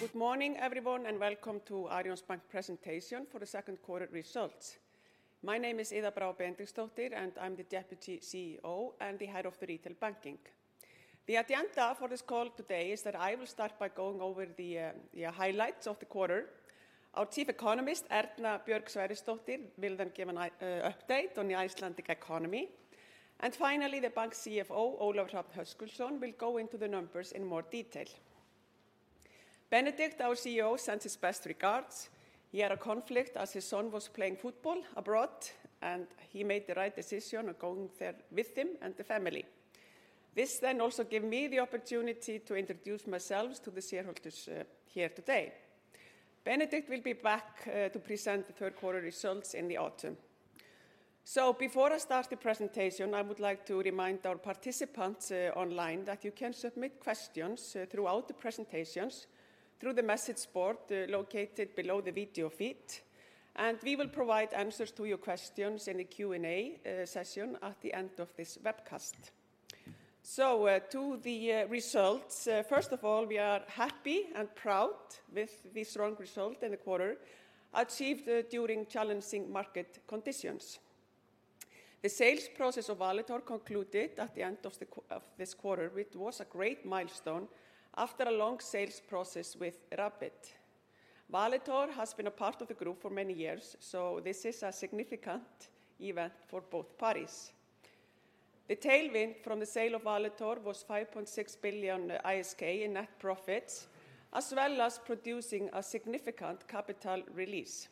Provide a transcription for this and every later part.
Good morning everyone, and welcome to Arion Bank presentation for the second quarter results. My name is Iða Brá Benediktsdóttir, and I'm the Deputy CEO and the Head of the Retail Banking. The agenda for this call today is that I will start by going over the highlights of the quarter. Our Chief Economist, Erna Björg Sverrisdóttir, will then give an update on the Icelandic economy. Finally, the bank's CFO, Ólafur Hrafn Höskuldsson, will go into the numbers in more detail. Benedikt, our CEO, sends his best regards. He had a conflict as his son was playing football abroad, and he made the right decision of going there with him and the family. This then also give me the opportunity to introduce myself to the shareholders here today. Benedikt will be back to present the third quarter results in the autumn. Before I start the presentation, I would like to remind our participants online that you can submit questions throughout the presentations through the message board located below the video feed, and we will provide answers to your questions in the Q&A session at the end of this webcast. To the results, first of all, we are happy and proud with the strong result in the quarter achieved during challenging market conditions. The sales process of Valitor concluded at the end of this quarter, which was a great milestone after a long sales process with Rapyd. Valitor has been a part of the group for many years, so this is a significant event for both parties. The tailwind from the sale of Valitor was 5.6 billion ISK in net profits, as well as producing a significant capital release.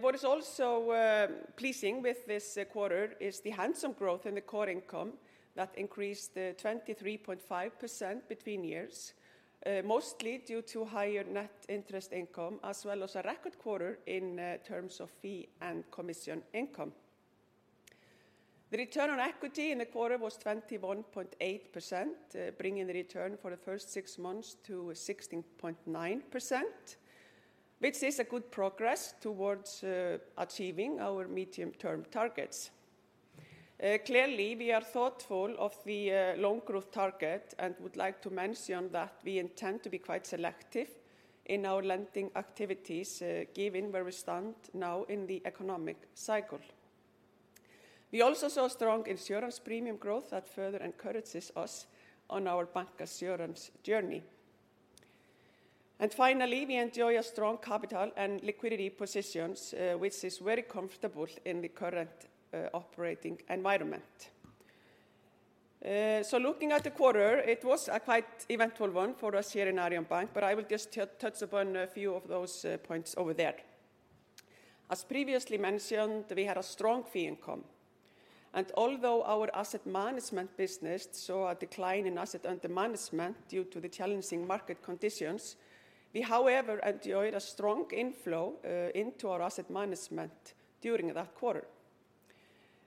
What is also pleasing with this quarter is the handsome growth in the core income that increased 23.5% between years, mostly due to higher net interest income, as well as a record quarter in terms of fee and commission income. The return on equity in the quarter was 21.8%, bringing the return for the first six months to 16.9%, which is a good progress towards achieving our medium-term targets. Clearly, we are thoughtful of the loan growth target and would like to mention that we intend to be quite selective in our lending activities, given where we stand now in the economic cycle. We also saw strong insurance premium growth that further encourages us on our bancassurance journey. Finally, we enjoy a strong capital and liquidity positions, which is very comfortable in the current operating environment. Looking at the quarter, it was a quite eventful one for us here in Arion Bank, but I will just touch upon a few of those points over there. As previously mentioned, we had a strong fee income, and although our asset management business saw a decline in assets under management due to the challenging market conditions, we, however, enjoyed a strong inflow into our asset management during that quarter.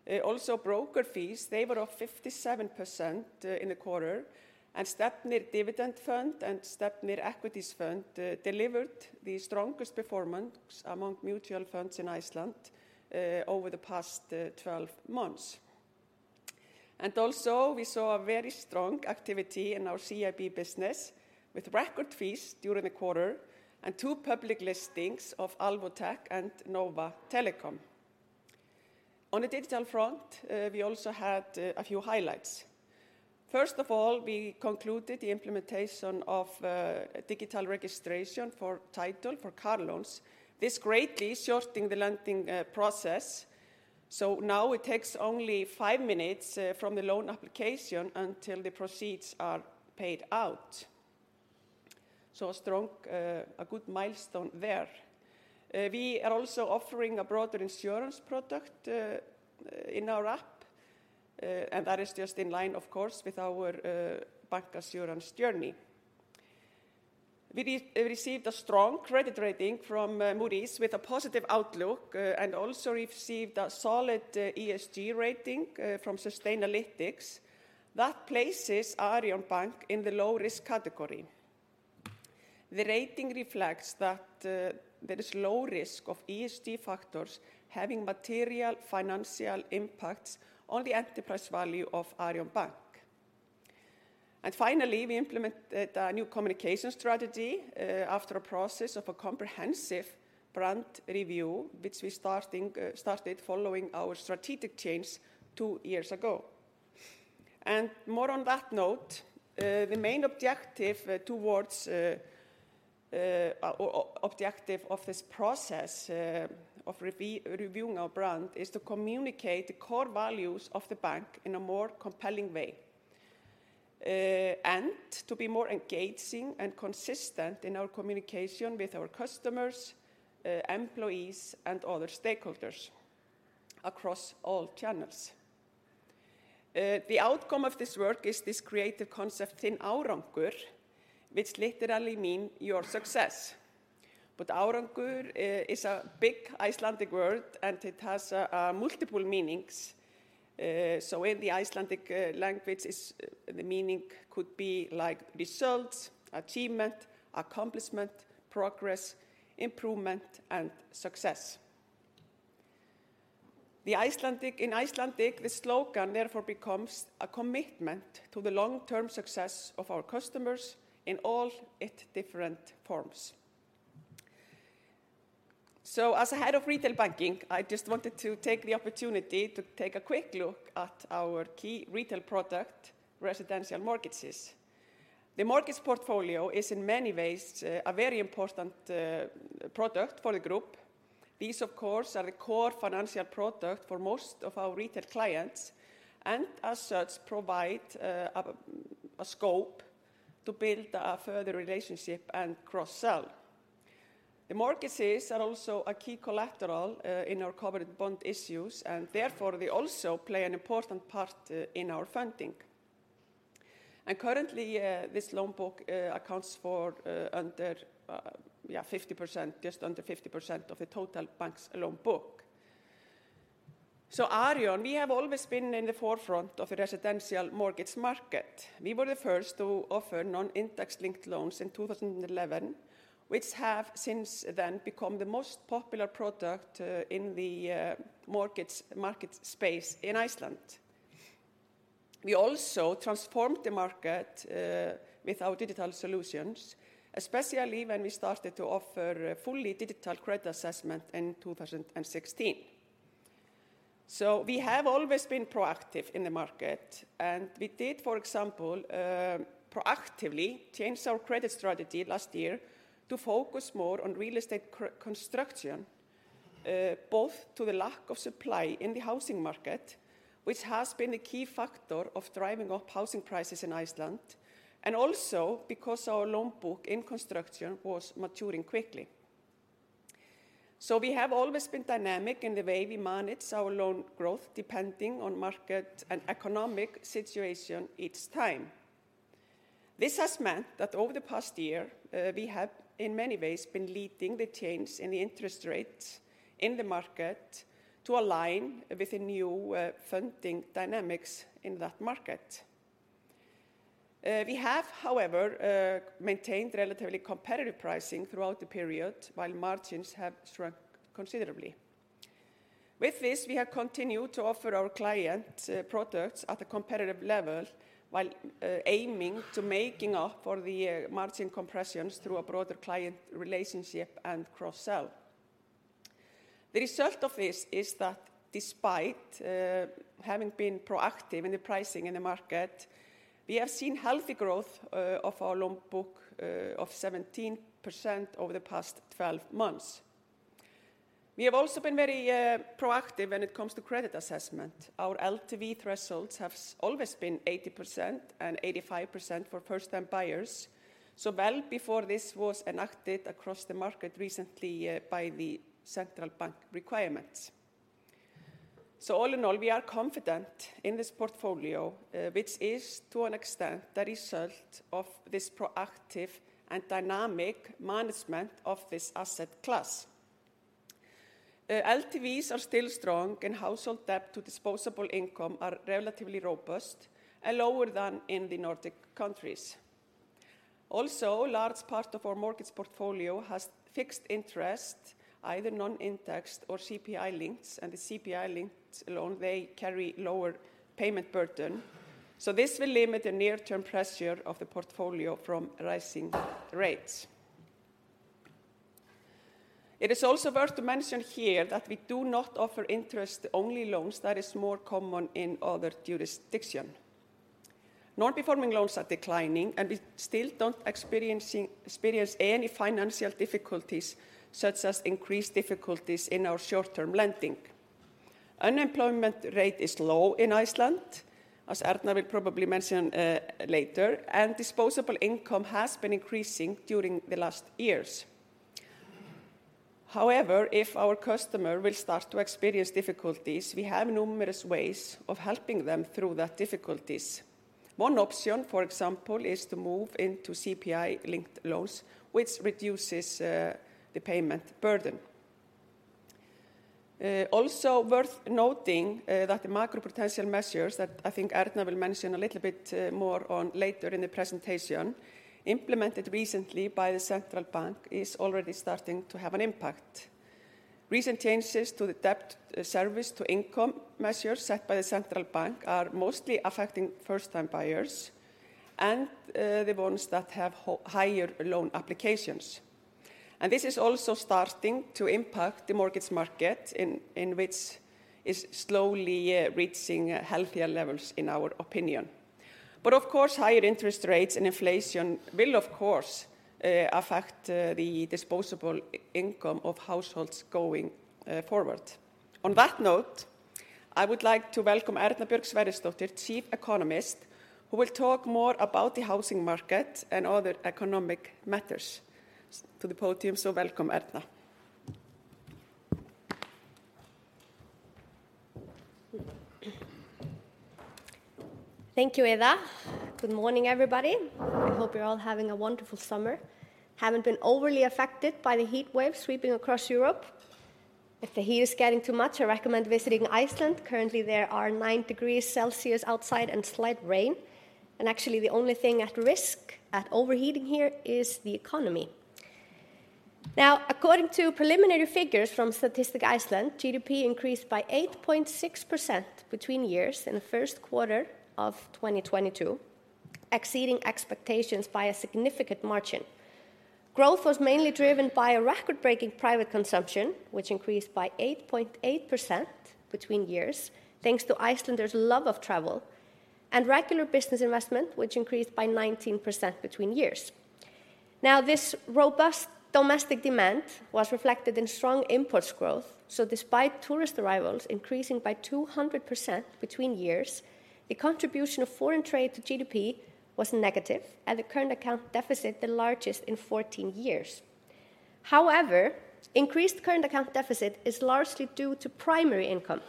Also broker fees, they were up 57% in the quarter, and Stefnir Dividend Fund and Stefnir Equities Fund delivered the strongest performance among mutual funds in Iceland over the past 12 months. Also, we saw a very strong activity in our CIB business with record fees during the quarter and two public listings of Alvotech and Nova. On the digital front, we also had a few highlights. First of all, we concluded the implementation of digital registration for title for car loans, this greatly shortening the lending process, so now it takes only five minutes from the loan application until the proceeds are paid out, so a good milestone there. We are also offering a broader insurance product in our app, and that is just in line, of course, with our bancassurance journey. We received a strong credit rating from Moody's with a positive outlook, and also received a solid ESG rating from Sustainalytics that places Arion Bank in the low-risk category. The rating reflects that there is low risk of ESG factors having material financial impacts on the enterprise value of Arion Bank. Finally, we implemented a new communication strategy after a process of a comprehensive brand review, which we started following our strategic change two years ago. More on that note, the main objective of this process of reviewing our brand is to communicate the core values of the bank in a more compelling way, and to be more engaging and consistent in our communication with our customers, employees, and other stakeholders across all channels. The outcome of this work is this creative concept, Þinn árangur, which literally mean your success. Árangur is a big Icelandic word, and it has multiple meanings. In the Icelandic language, the meaning could be like results, achievement, accomplishment, progress, improvement, and success. In Icelandic, the slogan therefore becomes a commitment to the long-term success of our customers in all its different forms. As a head of retail banking, I just wanted to take the opportunity to take a quick look at our key retail product, residential mortgages. The mortgage portfolio is in many ways a very important product for the group. These of course are the core financial product for most of our retail clients, and as such provide a scope to build a further relationship and cross-sell. The mortgages are also a key collateral in our covered bond issues, and therefore they also play an important part in our funding. Currently, this loan book accounts for just under 50% of the total bank's loan book. Arion, we have always been in the forefront of the residential mortgage market. We were the first to offer non-indexed loans in 2011, which have since then become the most popular product in the mortgage market space in Iceland. We also transformed the market with our digital solutions, especially when we started to offer a fully digital credit assessment in 2016. We have always been proactive in the market, and we did, for example, proactively change our credit strategy last year to focus more on real estate construction, both to the lack of supply in the housing market, which has been a key factor of driving up housing prices in Iceland, and also because our loan book in construction was maturing quickly. We have always been dynamic in the way we manage our loan growth depending on market and economic situation each time. This has meant that over the past year, we have in many ways been leading the change in the interest rates in the market to align with the new, funding dynamics in that market. We have, however, maintained relatively competitive pricing throughout the period while margins have shrunk considerably. With this, we have continued to offer our client products at a competitive level while aiming to making up for the margin compressions through a broader client relationship and cross-sell. The result of this is that despite having been proactive in the pricing in the market, we have seen healthy growth of our loan book of 17% over the past 12 months. We have also been very proactive when it comes to credit assessment. Our LTV thresholds have always been 80% and 85% for first-time buyers, so well before this was enacted across the market recently by the central bank requirements. All in all, we are confident in this portfolio, which is to an extent the result of this proactive and dynamic management of this asset class. LTVs are still strong and household debt to disposable income are relatively robust and lower than in the Nordic countries. Also, a large part of our mortgage portfolio has fixed interest, either non-index or CPI links, and the CPI links alone, they carry lower payment burden, so this will limit the near term pressure of the portfolio from rising rates. It is also worth to mention here that we do not offer interest-only loans that is more common in other jurisdiction. Non-performing loans are declining, and we still don't experience any financial difficulties such as increased difficulties in our short-term lending. Unemployment rate is low in Iceland, as Erna will probably mention later, and disposable income has been increasing during the last years. However, if our customer will start to experience difficulties, we have numerous ways of helping them through that difficulties. One option, for example, is to move into CPI-linked loans, which reduces the payment burden. Also worth noting that the macroprudential measures that I think Erna will mention a little bit more on later in the presentation, implemented recently by the Central Bank is already starting to have an impact. Recent changes to the debt service-to-income measures set by the Central Bank are mostly affecting first-time buyers and the ones that have higher loan applications. This is also starting to impact the mortgage market, which is slowly reaching healthier levels, in our opinion. Of course, higher interest rates and inflation will of course affect the disposable income of households going forward. On that note, I would like to welcome Erna Björg Sverrisdóttir, Chief Economist, who will talk more about the housing market and other economic matters to the podium. Welcome, Erna. Thank you, Iða. Good morning, everybody. I hope you're all having a wonderful summer, haven't been overly affected by the heat wave sweeping across Europe. If the heat is getting too much, I recommend visiting Iceland. Currently, there are 9 degrees Celsius outside and slight rain, and actually the only thing at risk of overheating here is the economy. Now, according to preliminary figures from Statistics Iceland, GDP increased by 8.6% between years in the first quarter of 2022, exceeding expectations by a significant margin. Growth was mainly driven by a record-breaking private consumption, which increased by 8.8% between years, thanks to Icelanders' love of travel, and regular business investment, which increased by 19% between years. Now, this robust domestic demand was reflected in strong imports growth, so despite tourist arrivals increasing by 200% between years, the contribution of foreign trade to GDP was negative, and the current account deficit the largest in 14 years. However, increased current account deficit is largely due to primary income,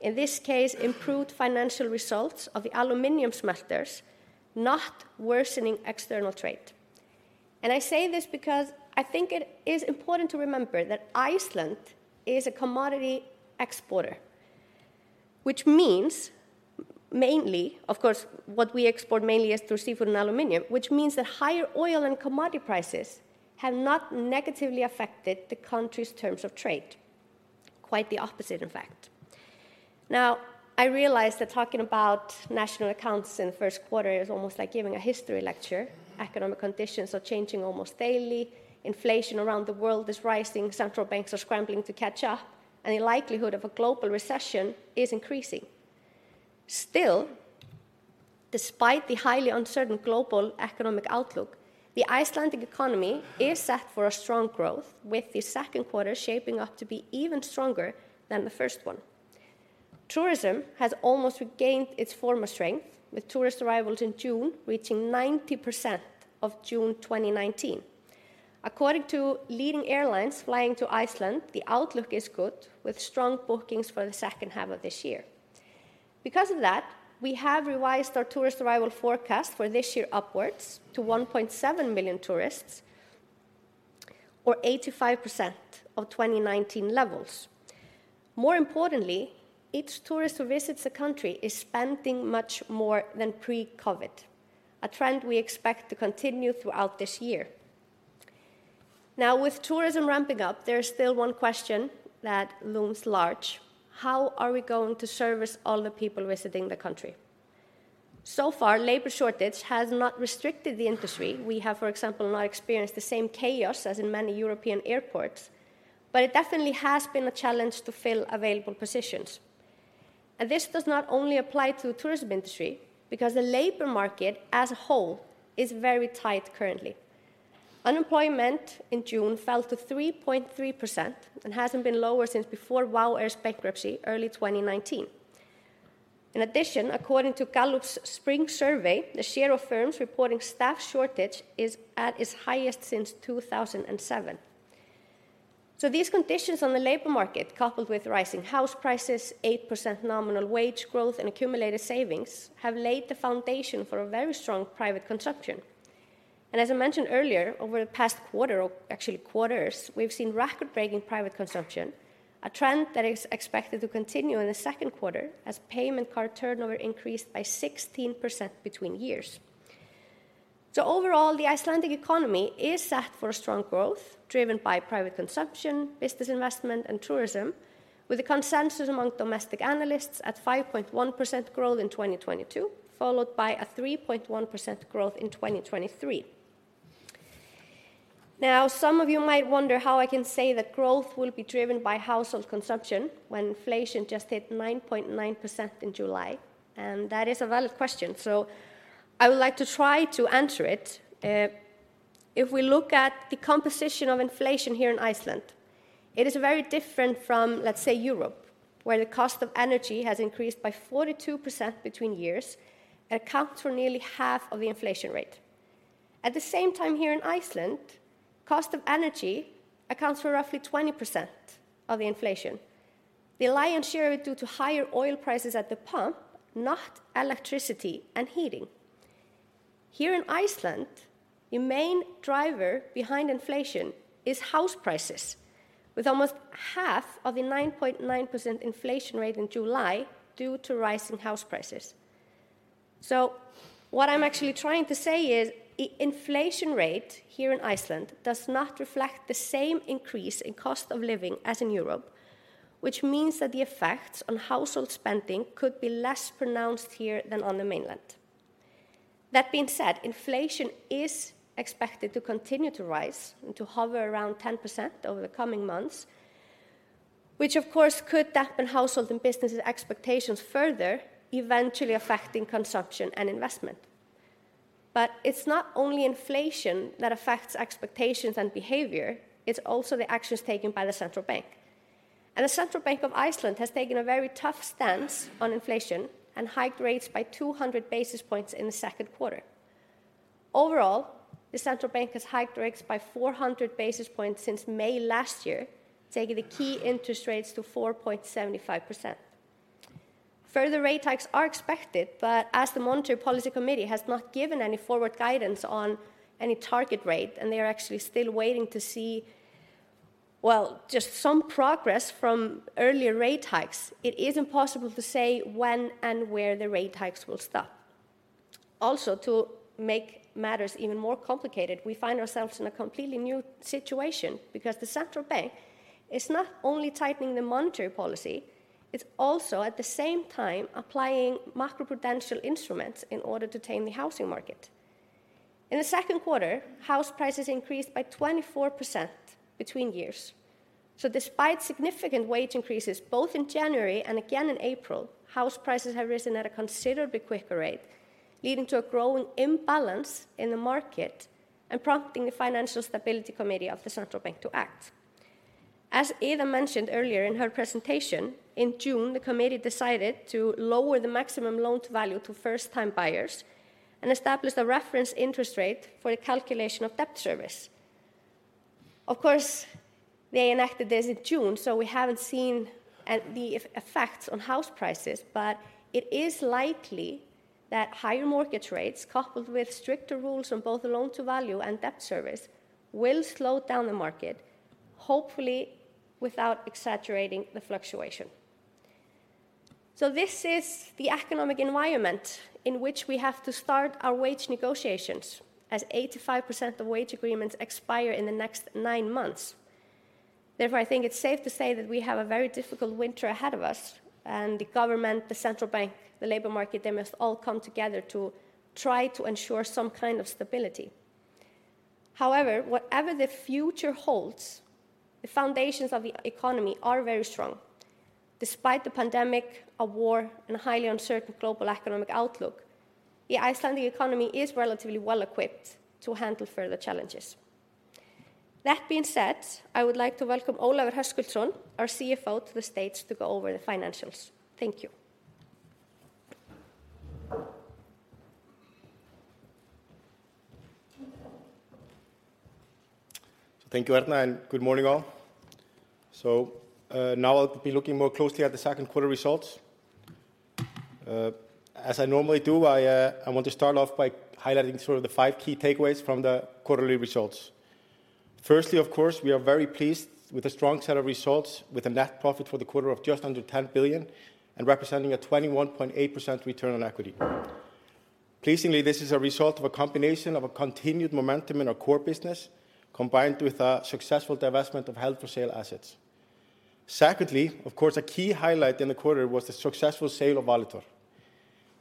in this case, improved financial results of the aluminum smelters, not worsening external trade. I say this because I think it is important to remember that Iceland is a commodity exporter, which means mainly, of course, what we export mainly is through seafood and aluminum, which means that higher oil and commodity prices have not negatively affected the country's terms of trade. Quite the opposite, in fact. Now, I realize that talking about national accounts in the first quarter is almost like giving a history lecture. Economic conditions are changing almost daily. Inflation around the world is rising. Central banks are scrambling to catch up, and the likelihood of a global recession is increasing. Still, despite the highly uncertain global economic outlook, the Icelandic economy is set for a strong growth, with the second quarter shaping up to be even stronger than the first one. Tourism has almost regained its former strength, with tourist arrivals in June reaching 90% of June 2019. According to leading airlines flying to Iceland, the outlook is good, with strong bookings for the second half of this year. Because of that, we have revised our tourist arrival forecast for this year upwards to 1.7 million tourists or 85% of 2019 levels. More importantly, each tourist who visits the country is spending much more than pre-COVID, a trend we expect to continue throughout this year. Now, with tourism ramping up, there is still one question that looms large. How are we going to service all the people visiting the country? So far, labor shortage has not restricted the industry. We have, for example, not experienced the same chaos as in many European airports, but it definitely has been a challenge to fill available positions. This does not only apply to the tourism industry because the labor market as a whole is very tight currently. Unemployment in June fell to 3.3% and hasn't been lower since before WOW air's bankruptcy early 2019. In addition, according to Gallup's spring survey, the share of firms reporting staff shortage is at its highest since 2007. These conditions on the labor market, coupled with rising house prices, 8% nominal wage growth, and accumulated savings, have laid the foundation for a very strong private consumption. As I mentioned earlier, over the past quarter, or actually quarters, we've seen record-breaking private consumption, a trend that is expected to continue in the second quarter as payment card turnover increased by 16% year-on-year. Overall, the Icelandic economy is set for a strong growth driven by private consumption, business investment, and tourism, with a consensus among domestic analysts at 5.1% growth in 2022, followed by a 3.1% growth in 2023. Now, some of you might wonder how I can say that growth will be driven by household consumption when inflation just hit 9.9% in July, and that is a valid question, so I would like to try to answer it. If we look at the composition of inflation here in Iceland, it is very different from, let's say, Europe, where the cost of energy has increased by 42% between years and accounts for nearly half of the inflation rate. At the same time here in Iceland, cost of energy accounts for roughly 20% of the inflation. The lion's share due to higher oil prices at the pump, not electricity and heating. Here in Iceland, the main driver behind inflation is house prices, with almost half of the 9.9% inflation rate in July due to rising house prices. What I'm actually trying to say is the inflation rate here in Iceland does not reflect the same increase in cost of living as in Europe, which means that the effects on household spending could be less pronounced here than on the mainland. That being said, inflation is expected to continue to rise and to hover around 10% over the coming months, which of course could dampen household and businesses' expectations further, eventually affecting consumption and investment. It's not only inflation that affects expectations and behavior, it's also the actions taken by the central bank. The Central Bank of Iceland has taken a very tough stance on inflation and hiked rates by 200 basis points in the second quarter. Overall, the central bank has hiked rates by 400 basis points since May last year, taking the key interest rates to 4.75%. Further rate hikes are expected, but as the Monetary Policy Committee has not given any forward guidance on any target rate, and they are actually still waiting to see, well, just some progress from earlier rate hikes, it is impossible to say when and where the rate hikes will stop. Also, to make matters even more complicated, we find ourselves in a completely new situation because the Central Bank is not only tightening the monetary policy, it's also at the same time applying macroprudential instruments in order to tame the housing market. In the second quarter, house prices increased by 24% between years. Despite significant wage increases both in January and again in April, house prices have risen at a considerably quicker rate, leading to a growing imbalance in the market and prompting the Financial Stability Committee of the Central Bank to act. As Ida mentioned earlier in her presentation, in June, the committee decided to lower the maximum loan-to-value to first-time buyers and established a reference interest rate for the calculation of debt service. Of course, they enacted this in June, so we haven't seen the effects on house prices, but it is likely that higher mortgage rates coupled with stricter rules on both loan-to-value and debt service will slow down the market, hopefully without exaggerating the fluctuation. This is the economic environment in which we have to start our wage negotiations as 85% of wage agreements expire in the next nine months. Therefore, I think it's safe to say that we have a very difficult winter ahead of us and the government, the central bank, the labor market, they must all come together to try to ensure some kind of stability. However, whatever the future holds, the foundations of the economy are very strong. Despite the pandemic, a war, and a highly uncertain global economic outlook, the Icelandic economy is relatively well-equipped to handle further challenges. That being said, I would like to welcome Ólafur Hrafn Höskuldsson, our CFO, to the stage to go over the financials. Thank you. Thank you, Erna, and good morning all. Now I'll be looking more closely at the second quarter results. As I normally do, I want to start off by highlighting sort of the five key takeaways from the quarterly results. Firstly, of course, we are very pleased with a strong set of results with a net profit for the quarter of just under 10 billion and representing a 21.8% return on equity. Pleasingly, this is a result of a combination of a continued momentum in our core business combined with a successful divestment of held-for-sale assets. Secondly, of course, a key highlight in the quarter was the successful sale of Valitor.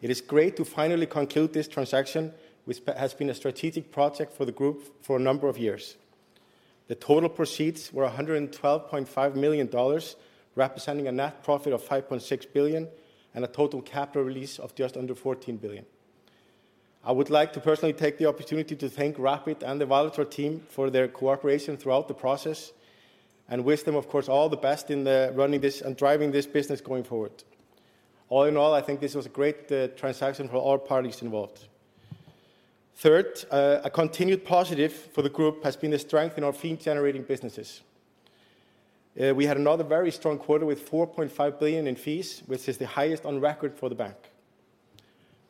It is great to finally conclude this transaction, which has been a strategic project for the group for a number of years. The total proceeds were $112.5 million, representing a net profit of 5.6 billion and a total capital release of just under 14 billion. I would like to personally take the opportunity to thank Rapyd and the Valitor team for their cooperation throughout the process and wish them, of course, all the best in running this and driving this business going forward. All in all, I think this was a great transaction for all parties involved. Third, a continued positive for the group has been the strength in our fee-generating businesses. We had another very strong quarter with 4.5 billion in fees, which is the highest on record for the bank.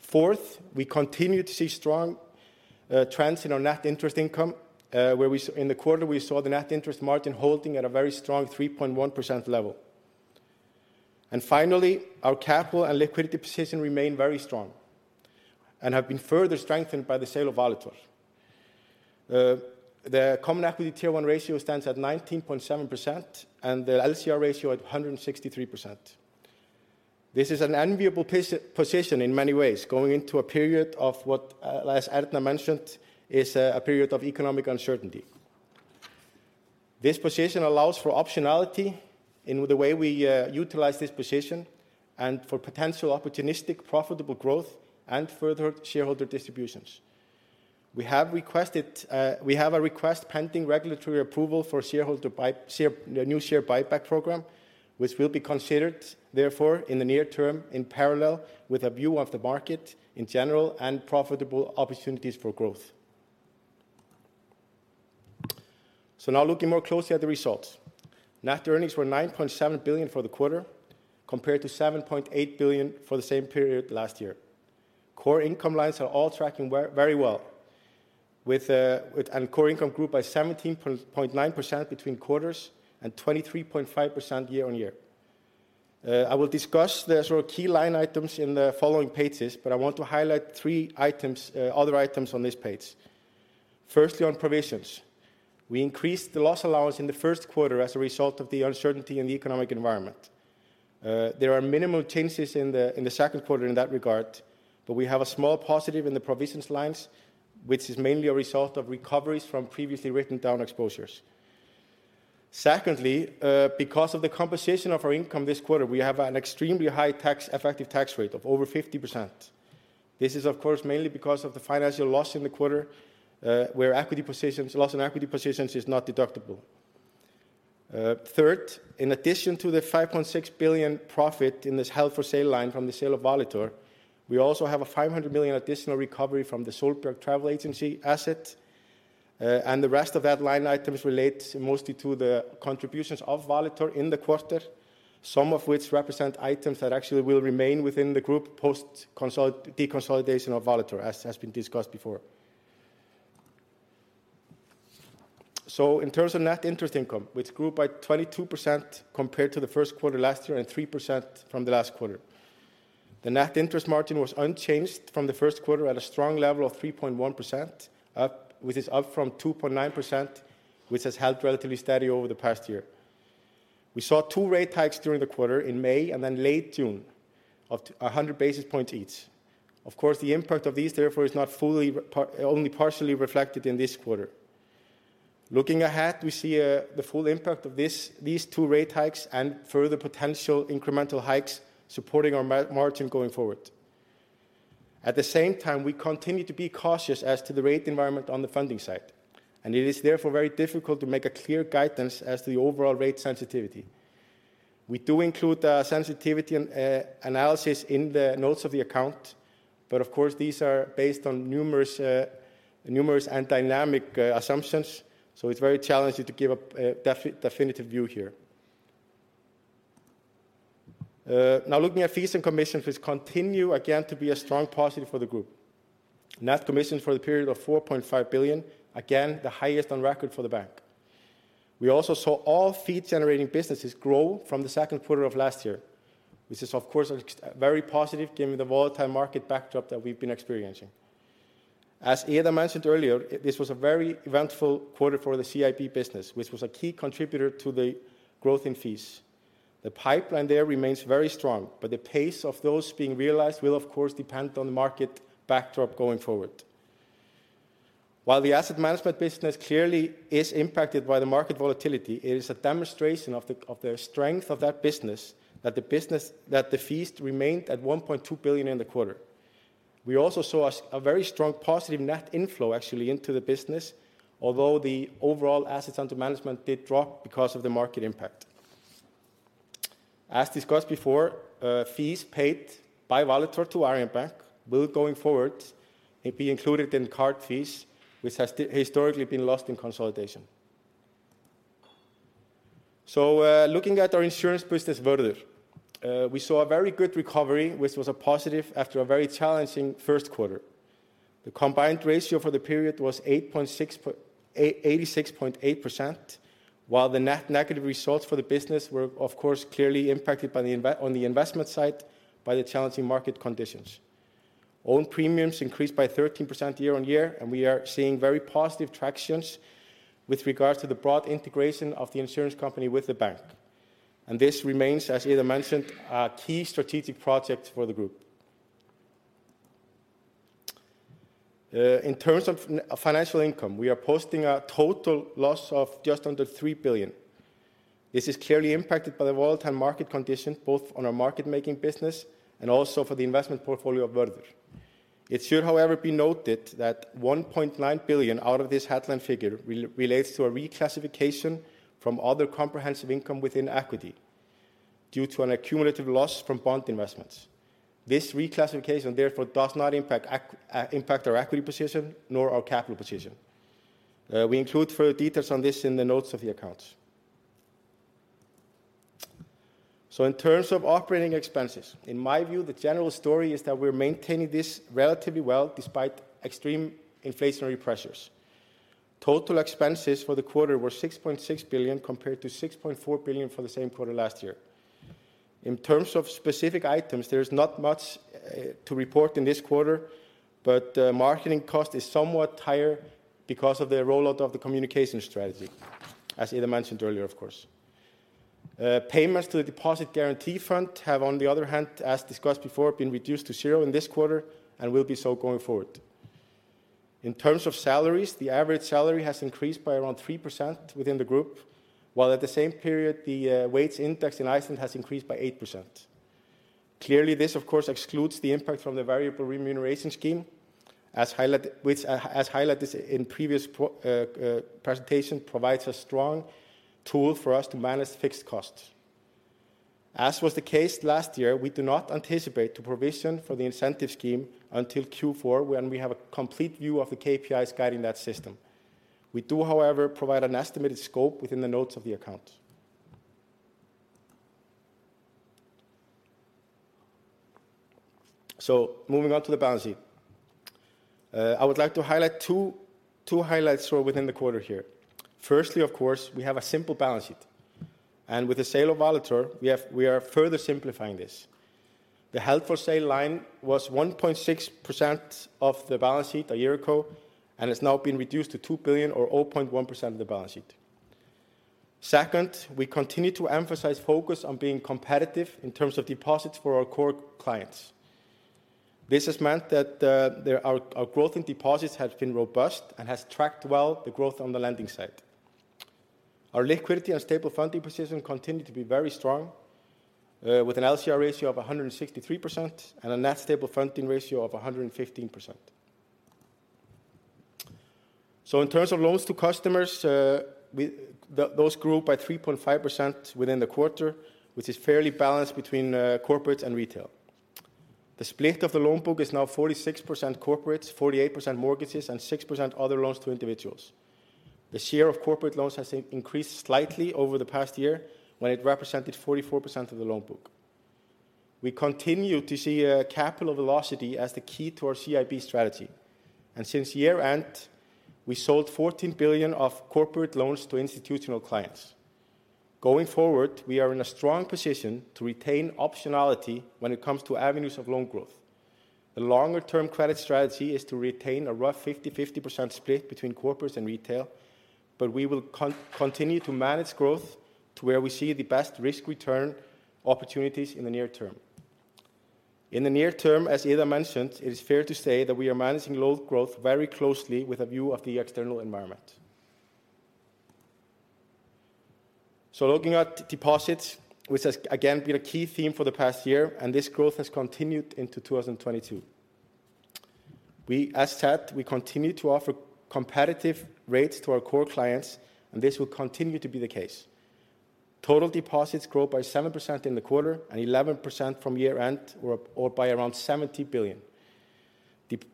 Fourth, we continue to see strong trends in our net interest income, where in the quarter we saw the net interest margin holding at a very strong 3.1% level. Finally, our capital and liquidity position remain very strong and have been further strengthened by the sale of Valitor. The Common Equity Tier 1 ratio stands at 19.7% and the LCR ratio at 163%. This is an enviable position in many ways going into a period of what, as Erna mentioned, is a period of economic uncertainty. This position allows for optionality in the way we utilize this position and for potential opportunistic profitable growth and further shareholder distributions. We have a request pending regulatory approval for a new share buyback program, which will be considered, therefore, in the near term in parallel with a view of the market in general and profitable opportunities for growth. Now looking more closely at the results. Net earnings were 9.7 billion for the quarter compared to 7.8 billion for the same period last year. Core income lines are all tracking very well and core income grew by 17.9% between quarters and 23.5% year-on-year. I will discuss the sort of key line items in the following pages, but I want to highlight three other items on this page. Firstly, on provisions. We increased the loss allowance in the first quarter as a result of the uncertainty in the economic environment. There are minimal changes in the second quarter in that regard, but we have a small positive in the provisions lines, which is mainly a result of recoveries from previously written down exposures. Secondly, because of the compensation of our income this quarter, we have an extremely high effective tax rate of over 50%. This is, of course, mainly because of the financial loss in the quarter where loss in equity positions is not deductible. Third, in addition to the 5.6 billion profit in this held for sale line from the sale of Valitor, we also have a 500 million additional recovery from the Sólberg travel agency asset. The rest of that line items relate mostly to the contributions of Valitor in the quarter, some of which represent items that actually will remain within the group post deconsolidation of Valitor, as has been discussed before. In terms of net interest income, which grew by 22% compared to the first quarter last year and 3% from the last quarter. The net interest margin was unchanged from the first quarter at a strong level of 3.1%, up, which is up from 2.9%, which has held relatively steady over the past year. We saw two rate hikes during the quarter in May and then late June, 100 basis points each. Of course, the impact of these therefore is not fully, only partially reflected in this quarter. Looking ahead, we see the full impact of these two rate hikes and further potential incremental hikes supporting our margin going forward. At the same time, we continue to be cautious as to the rate environment on the funding side, and it is therefore very difficult to make a clear guidance as to the overall rate sensitivity. We do include sensitivity analysis in the notes to the accounts, but of course, these are based on numerous and dynamic assumptions, so it's very challenging to give a definitive view here. Now looking at fees and commissions which continue again to be a strong positive for the group. Net commissions for the period of 4.5 billion, again, the highest on record for the bank. We also saw all fee generating businesses grow from the second quarter of last year, which is of course a very positive given the volatile market backdrop that we've been experiencing. As Ida mentioned earlier, this was a very eventful quarter for the CIB business, which was a key contributor to the growth in fees. The pipeline there remains very strong, but the pace of those being realized will of course depend on the market backdrop going forward. While the asset management business clearly is impacted by the market volatility, it is a demonstration of the strength of that business that the fees remained at 1.2 billion in the quarter. We also saw a very strong positive net inflow actually into the business, although the overall assets under management did drop because of the market impact. As discussed before, fees paid by Valitor to Arion Bank will going forward be included in card fees, which has historically been lost in consolidation. Looking at our insurance business, Vörður, we saw a very good recovery, which was a positive after a very challenging first quarter. The combined ratio for the period was 8.6%. 86.8%, while the net negative results for the business were of course clearly impacted on the investment side by the challenging market conditions. Own premiums increased by 13% year-on-year, and we are seeing very positive tractions with regards to the broad integration of the insurance company with the bank. This remains, as Ida mentioned, a key strategic project for the group. In terms of financial income, we are posting a total loss of just under 3 billion. This is clearly impacted by the volatile market condition, both on our market making business and also for the investment portfolio of Vörður. It should, however, be noted that 1.9 billion out of this headline figure relates to a reclassification from other comprehensive income within equity due to an accumulative loss from bond investments. This reclassification therefore does not impact our equity position nor our capital position. We include further details on this in the notes of the accounts. In terms of operating expenses, in my view, the general story is that we're maintaining this relatively well despite extreme inflationary pressures. Total expenses for the quarter were 6.6 billion compared to 6.4 billion for the same quarter last year. In terms of specific items, there is not much to report in this quarter, but marketing cost is somewhat higher because of the rollout of the communication strategy, as Ida mentioned earlier, of course. Payments to the Depositors Guarantee Fund have on the other hand, as discussed before, been reduced to zero in this quarter and will be so going forward. In terms of salaries, the average salary has increased by around 3% within the group, while at the same period the wage index in Iceland has increased by 8%. Clearly, this of course excludes the impact from the variable remuneration scheme as highlighted in previous presentation, which provides a strong tool for us to manage fixed costs. As was the case last year, we do not anticipate to provision for the incentive scheme until Q4 when we have a complete view of the KPIs guiding that system. We do, however, provide an estimated scope within the notes of the accounts. Moving on to the balance sheet. I would like to highlight two highlights sort of within the quarter here. Firstly, of course, we have a simple balance sheet, and with the sale of Valitor, we are further simplifying this. The held for sale line was 1.6% of the balance sheet a year ago, and it's now been reduced to 2 billion or 0.1% of the balance sheet. Second, we continue to emphasize focus on being competitive in terms of deposits for our core clients. This has meant that our growth in deposits has been robust and has tracked well the growth on the lending side. Our liquidity and stable funding position continue to be very strong, with an LCR ratio of 163% and a net stable funding ratio of 115%. In terms of loans to customers, those grew by 3.5% within the quarter, which is fairly balanced between corporates and retail. The split of the loan book is now 46% corporates, 48% mortgages, and 6% other loans to individuals. The share of corporate loans has increased slightly over the past year, when it represented 44% of the loan book. We continue to see capital velocity as the key to our CIB strategy. Since year-end, we sold 14 billion of corporate loans to institutional clients. Going forward, we are in a strong position to retain optionality when it comes to avenues of loan growth. The longer term credit strategy is to retain a rough 50/50% split between corporates and retail, but we will continue to manage growth to where we see the best risk return opportunities in the near term. In the near term, as Ida mentioned, it is fair to say that we are managing loan growth very closely with a view of the external environment. Looking at deposits, which has, again, been a key theme for the past year, and this growth has continued into 2022. We, as said, continue to offer competitive rates to our core clients, and this will continue to be the case. Total deposits grew by 7% in the quarter and 11% from year-end or by around 70 billion.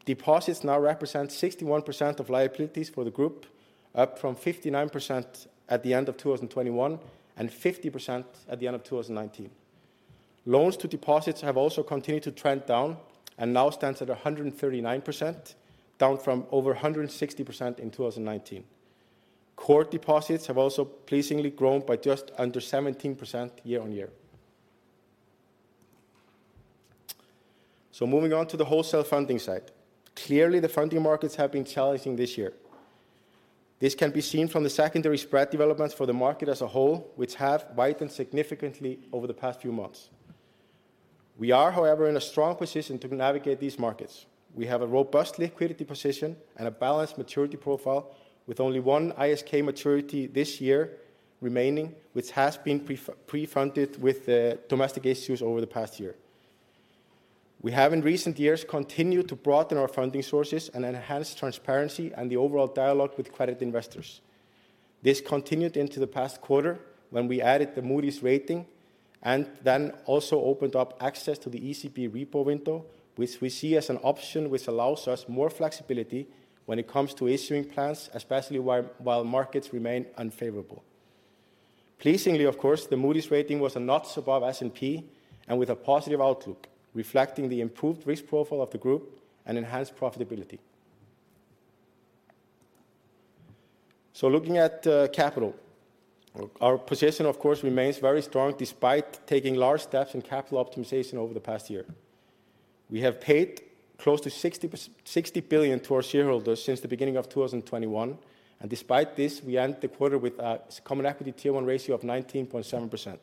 Deposits now represent 61% of liabilities for the group, up from 59% at the end of 2021 and 50% at the end of 2019. Loans to deposits have also continued to trend down and now stands at 139%, down from over 160% in 2019. Core deposits have also pleasingly grown by just under 17% year-on-year. Moving on to the wholesale funding side. Clearly, the funding markets have been challenging this year. This can be seen from the secondary spread developments for the market as a whole, which have widened significantly over the past few months. We are, however, in a strong position to navigate these markets. We have a robust liquidity position and a balanced maturity profile with only one ISK maturity this year remaining, which has been pre-funded with domestic issues over the past year. We have in recent years continued to broaden our funding sources and enhance transparency and the overall dialogue with credit investors. This continued into the past quarter when we added the Moody's rating and then also opened up access to the ECB repo window, which we see as an option which allows us more flexibility when it comes to issuing bonds, especially while markets remain unfavorable. Pleasingly, of course, the Moody's rating was a notch above S&P and with a positive outlook, reflecting the improved risk profile of the group and enhanced profitability. Looking at capital. Our position, of course, remains very strong despite taking large steps in capital optimization over the past year. We have paid close to 60 billion to our shareholders since the beginning of 2021, and despite this, we end the quarter with a Common Equity Tier 1 ratio of 19.7%.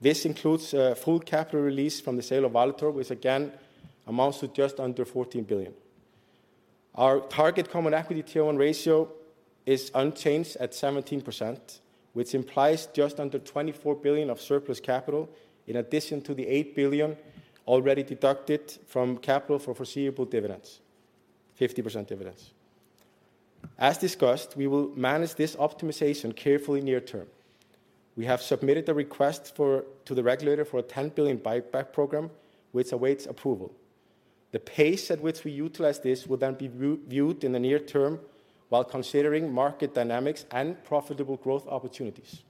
This includes full capital release from the sale of Valitor, which again amounts to just under 14 billion. Our target Common Equity Tier 1 ratio is unchanged at 17%, which implies just under 24 billion of surplus capital in addition to the 8 billion already deducted from capital for foreseeable dividends, 50% dividends. As discussed, we will manage this optimization carefully near term. We have submitted a request to the regulator for a 10 billion buyback program which awaits approval. The pace at which we utilize this will then be viewed in the near term while considering market dynamics and profitable growth opportunities.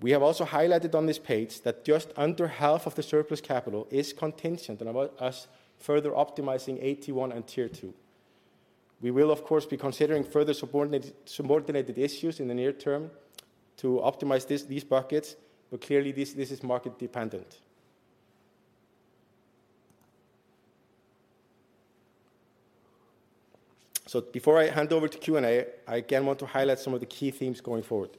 We have also highlighted on this page that just under half of the surplus capital is contingent on us further optimizing AT1 and Tier 2. We will of course be considering further subordinated issues in the near term to optimize these buckets, but clearly this is market dependent. Before I hand over to Q&A, I again want to highlight some of the key themes going forward.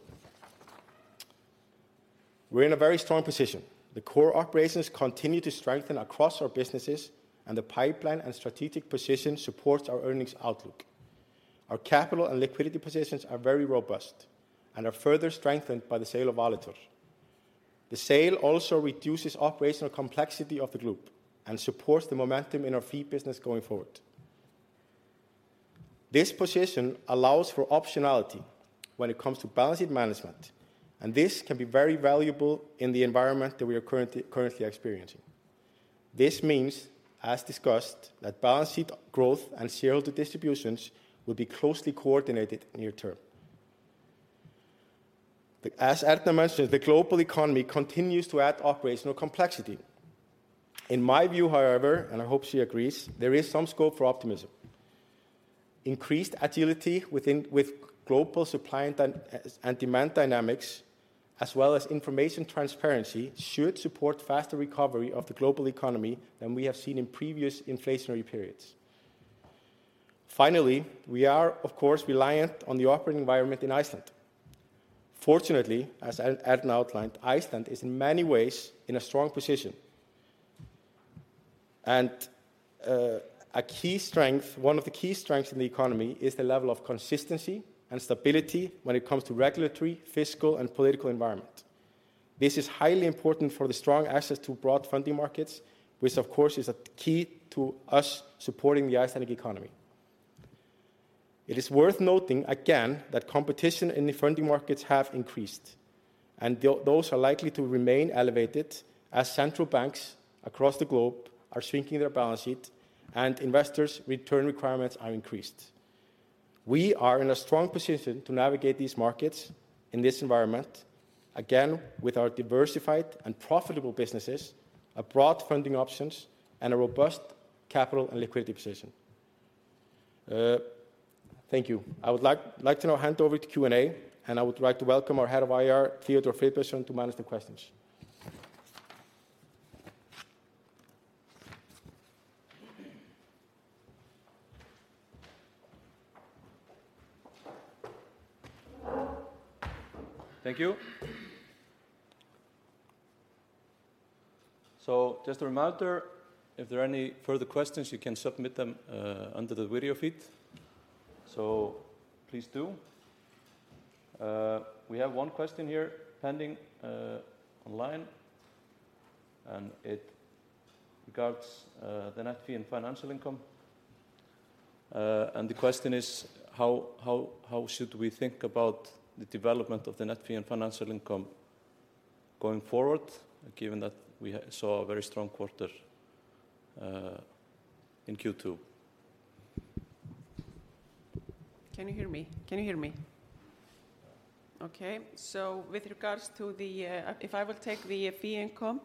We're in a very strong position. The core operations continue to strengthen across our businesses and the pipeline and strategic position supports our earnings outlook. Our capital and liquidity positions are very robust and are further strengthened by the sale of Valitor. The sale also reduces operational complexity of the group and supports the momentum in our fee business going forward. This position allows for optionality when it comes to balance sheet management, and this can be very valuable in the environment that we are currently experiencing. This means, as discussed, that balance sheet growth and shareholder distributions will be closely coordinated near term. As Erna mentioned, the global economy continues to add operational complexity. In my view, however, and I hope she agrees, there is some scope for optimism. Increased agility within, with global supply and demand dynamics, as well as information transparency should support faster recovery of the global economy than we have seen in previous inflationary periods. Finally, we are of course reliant on the operating environment in Iceland. Fortunately, as Erna outlined, Iceland is in many ways in a strong position. A key strength, one of the key strengths in the economy is the level of consistency and stability when it comes to regulatory, fiscal, and political environment. This is highly important for the strong access to broad funding markets, which of course is a key to us supporting the Icelandic economy. It is worth noting again that competition in the funding markets have increased, and those are likely to remain elevated as central banks across the globe are shrinking their balance sheet and investors' return requirements are increased. We are in a strong position to navigate these markets in this environment, again, with our diversified and profitable businesses, broad funding options, and a robust capital and liquidity position. Thank you. I would like to now hand over to Q&A, and I would like to welcome our Head of IR, Theodór Friðbertsson, to manage the questions. Thank you. Just a reminder, if there are any further questions, you can submit them under the video feed. Please do. We have one question here pending online, and it regards the net fee and financial income. The question is how should we think about the development of the net fee and financial income going forward given that we saw a very strong quarter in Q2? Can you hear me? Can you hear me? Okay. With regards to the if I will take the fee income,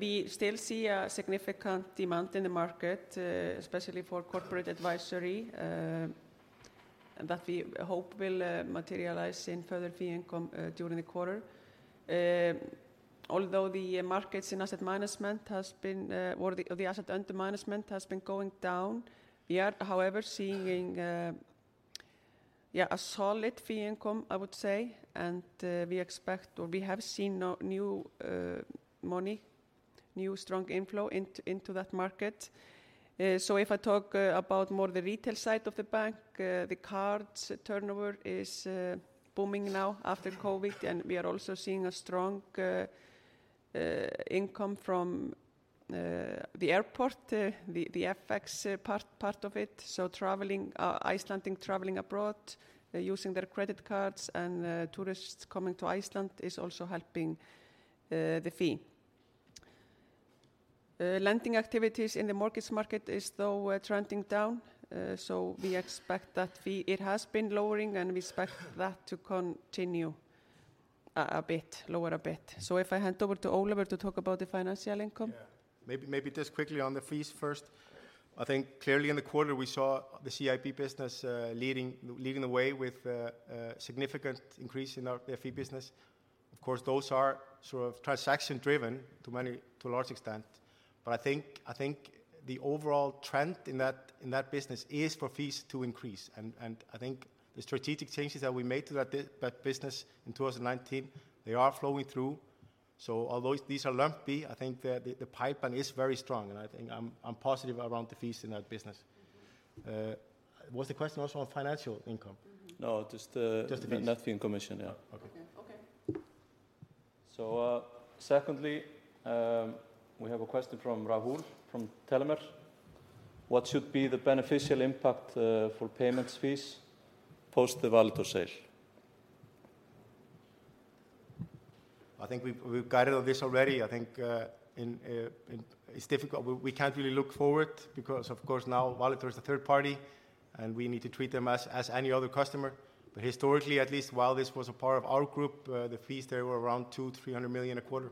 we still see a significant demand in the market, especially for corporate advisory, that we hope will materialize in further fee income during the quarter. Although the markets in asset management has been, or the asset under management has been going down, we are however seeing a solid fee income I would say and we expect or we have seen new money, new strong inflow into that market. If I talk about more the retail side of the bank, the cards turnover is booming now after COVID, and we are also seeing a strong income from the airport, the FX part of it. Icelanders traveling abroad using their credit cards and tourists coming to Iceland is also helping the fee. Lending activities in the mortgage market is, though, trending down, so we expect that fee. It has been lowering and we expect that to continue a bit lower a bit. If I hand over to Ólafur Hrafn Höskuldsson to talk about the financial income. Yeah. Maybe just quickly on the fees first. I think clearly in the quarter we saw the CIB business leading the way with a significant increase in our their fee business. Of course, those are sort of transaction driven to a large extent, but I think the overall trend in that business is for fees to increase and I think the strategic changes that we made to that business in 2019, they are flowing through. Although these are lumpy, I think the pipeline is very strong and I think I'm positive around the fees in that business. Was the question also on financial income? No, just. Just the fees. net fee and commission, yeah. Okay. Okay. secondly, we have a question from Rahul from Tellimer. What should be the beneficial impact for payments fees post the Valitor sale? I think we've guided on this already. I think it's difficult. We can't really look forward because of course now Valitor is a third party and we need to treat them as any other customer. Historically at least, while this was a part of our group, the fees, they were around 200 million-300 million a quarter.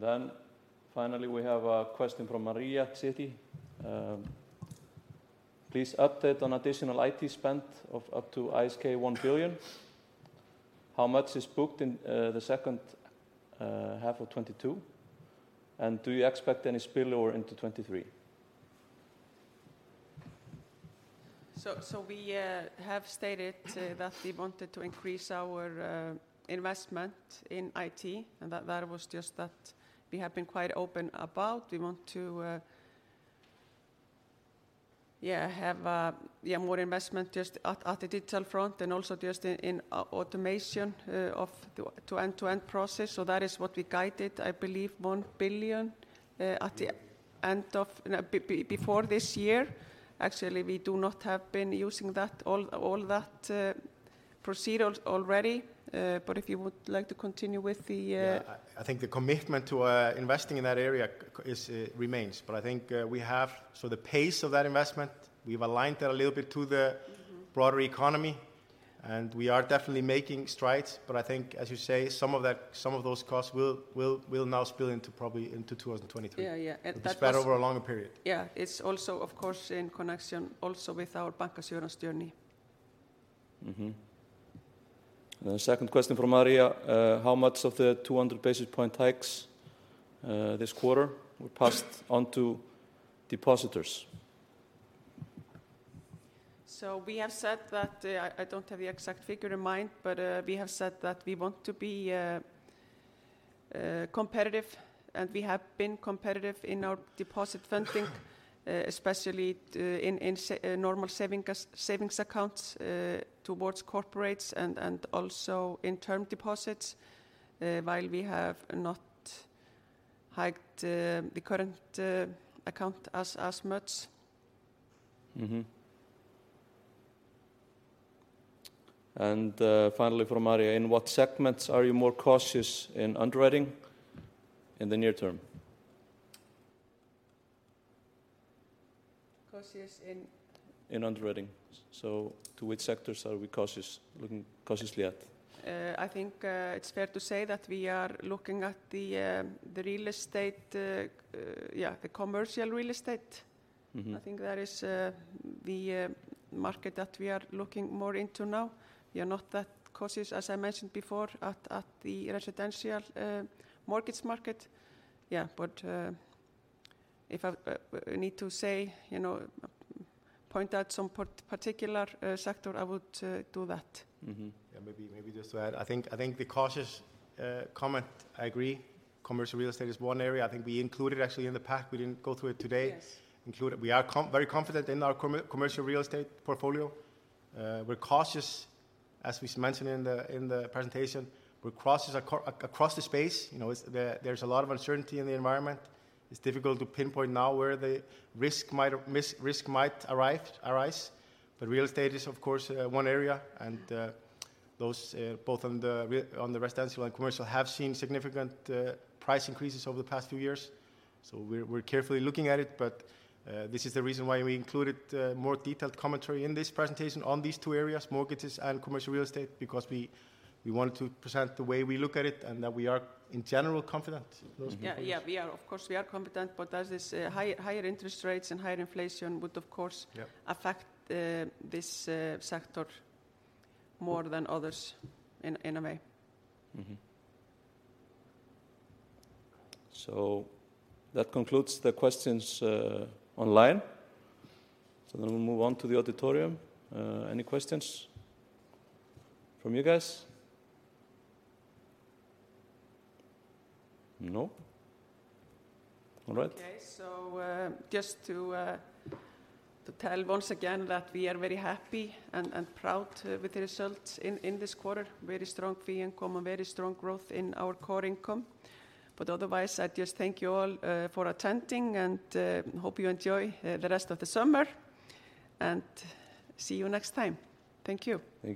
Mm-hmm. Finally we have a question from Maria, Citi. Please update on additional IT spend of up to ISK 1 billion. How much is booked in the second half of 2022, and do you expect any spillover into 2023? We have stated that we wanted to increase our investment in IT and that we have been quite open about. We want to have more investment just at the digital front and also just in automation of the end-to-end process. That is what we guided, I believe 1 billion at the end of before this year. Actually, we do not have been using that, all that proceeds already. If you would like to continue with the Yeah. I think the commitment to investing in that area remains, but I think the pace of that investment, we've aligned that a little bit to the- Mm-hmm Broader economy, and we are definitely making strides, but I think as you say, some of that, some of those costs will now spill into probably into 2023. Yeah. Yeah. It will spread over a longer period. Yeah. It's also of course in connection also with our bancassurance journey. The second question from Maria, how much of the 200 basis points hikes this quarter were passed onto depositors? We have said that I don't have the exact figure in mind, but we have said that we want to be competitive and we have been competitive in our deposit funding, especially in normal savings accounts towards corporates and also in term deposits, while we have not hiked the current account as much. Mm-hmm. Finally from Maria, in what segments are you more cautious in underwriting in the near term? Cautious in- In underwriting. To which sectors are we looking cautiously at? I think it's fair to say that we are looking at the commercial real estate. Mm-hmm. I think that is the market that we are looking more into now. We are not that cautious, as I mentioned before, at the residential mortgage market. If I need to say, you know, point out some particular sector, I would do that. Mm-hmm. Yeah, maybe just to add, I think the cautious comment, I agree. Commercial real estate is one area I think we included actually in the pack. We didn't go through it today. Yes. Include it. We are very confident in our commercial real estate portfolio. We're cautious, as we mentioned in the presentation. We're cautious across the space. You know, there's a lot of uncertainty in the environment. It's difficult to pinpoint now where the risk might arise. Real estate is, of course, one area, and those both on the residential and commercial have seen significant price increases over the past few years. We're carefully looking at it, but this is the reason why we included more detailed commentary in this presentation on these two areas, mortgages and commercial real estate, because we wanted to present the way we look at it and that we are in general confident in those two areas. Yeah, yeah. We are, of course, confident, but as is, higher interest rates and higher inflation would of course. Yeah affect this sector more than others in a way. That concludes the questions online. We'll move on to the auditorium. Any questions from you guys? No? All right. Okay. Just to tell once again that we are very happy and proud with the results in this quarter. Very strong fee income and very strong growth in our core income. Otherwise, I just thank you all for attending and hope you enjoy the rest of the summer, and see you next time. Thank you. Thank you.